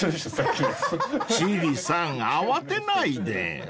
［千里さん慌てないで］